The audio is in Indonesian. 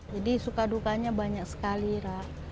jadi suka dukanya banyak sekali ra